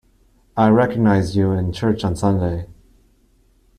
I recognized you in church on Sunday.